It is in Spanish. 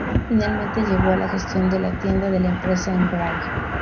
Finalmente llegó a la gestión de la tienda de la empresa en Bray.